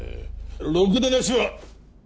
ろくでなしは！